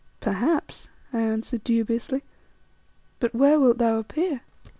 '" "Perhaps," I answered dubiously, "but where wilt thou appear?"